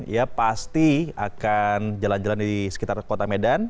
ya pasti akan jalan jalan di sekitar kota medan